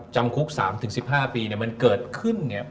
จำคุก๓๑๕ปีเนี่ยมันเกิดขึ้นเนี่ย